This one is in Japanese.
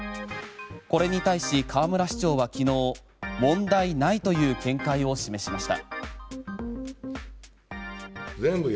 これに対し河村市長は昨日問題ないという見解を示しました。